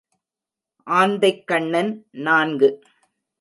ஆந்தைக் கண்ணன் நான்கு.